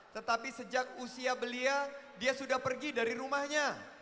tetapi sejak usia belia dia sudah pergi dari rumahnya